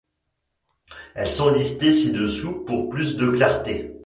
Elles sont listées ci-dessous pour plus de clarté.